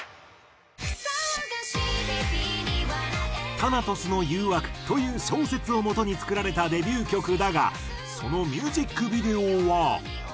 『タナトスの誘惑』という小説をもとに作られたデビュー曲だがそのミュージックビデオは。